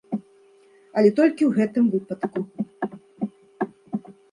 Але толькі ў гэтым выпадку.